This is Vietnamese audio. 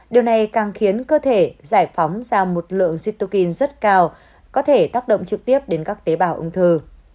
điều này càng khiến cơ thể giải phóng ra một lượng zitokin rất cao có thể tác động trực tiếp đến các tế bào ung thư